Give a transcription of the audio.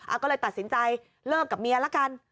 ติดเหล้าเยอะก็เลยตัดสินใจเลิกกับเมียละกัน